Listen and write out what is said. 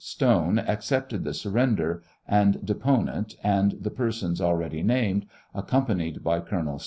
Stone accepted the surren der, and deponent and the persons already named, accompanied by Col.